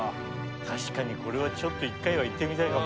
確かにこれは１回は行ってみたいかも。